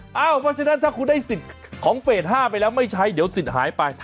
เพราะฉะนั้นถ้าคุณได้สิทธิ์ของเฟส๕ไปแล้วไม่ใช้เดี๋ยวสิทธิ์หายไป